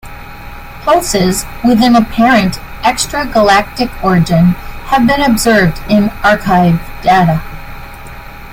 Pulses with an apparent extragalactic origin have been observed in archived data.